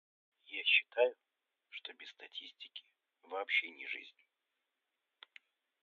Я считаю, что без статистики вообще не жизнь.